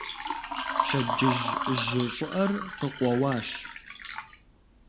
Пщэдджыжь жьы щӀыӀэр къыкъуэуащ.